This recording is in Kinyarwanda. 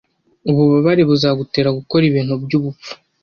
Ububabare buzagutera gukora ibintu byubupfu.